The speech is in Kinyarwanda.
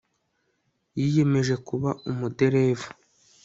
yiyemeje kuba umuderevu